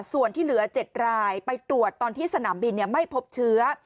ส่วนที่เหลือ๗รายไปตรวจตอนที่สนามบินไม่พบเชื้อ